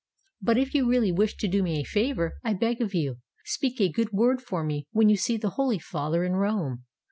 But if you really wish to do me a favor, I beg of you, speak a good word for me, when you see the Holy Father in Rome.